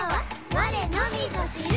「われのみぞ知る」